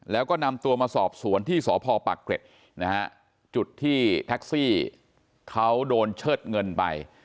แล้วก็นำตัวมาสอบสวนที่สพปักเกร็ดนะฮะจุดที่แท็กซี่เขาโดนเชิดเงินไป